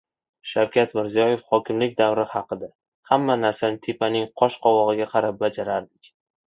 Shavkat Mirziyoyev hokimlik davri haqida: "Hamma narsani “tepa”ning qosh-qovog‘iga qarab bajarardik"